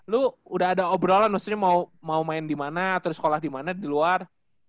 lu udah ada obrolan maksudnya mau mau main dimana atau sekolah dimana di luar